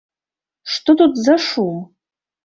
Што тут за шум?